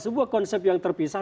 sebuah konsep yang terpisah